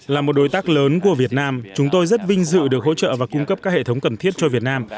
là một đối tác lớn của việt nam chúng tôi rất vinh dự được hỗ trợ và cung cấp các hệ thống cần thiết cho việt nam